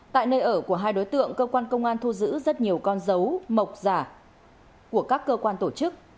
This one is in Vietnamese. tại nơi ở của hai đối tượng cơ quan công an thu giữ rất nhiều con dấu mộc giả của các cơ quan tổ chức